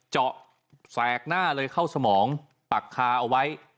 เจาะแสกหน้าเลยเข้าสมองปักคาเอาไว้